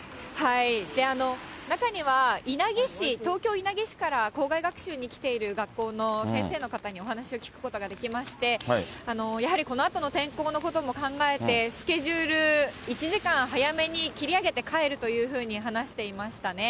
中には稲城市、東京・稲城市から校外学習に来ている学校の先生の方にお話を聞くことができまして、やはりこのあとの天候のことも考えて、スケジュール１時間早めに切り上げて帰るというふうに話していましたね。